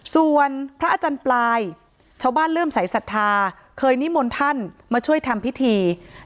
ส่วนพระอาจารย์ปลายชาวบ้านเริ่มสายศรัทธาเคยนิมนต์ท่านมาช่วยทำพิธี